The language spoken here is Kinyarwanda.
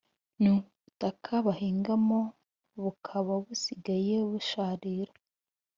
n’ubutaka bahingaho bukaba busigaye busharira